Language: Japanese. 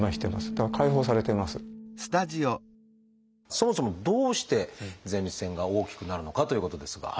そもそもどうして前立腺が大きくなるのかということですが。